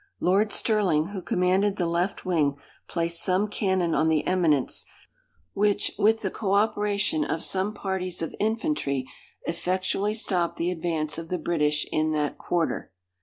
Lord Stirling, who commanded the left wing, placed some cannon on the eminence, which, with the cooperation of some parties of infantry, effectually stopped the advance of the British in that quarter.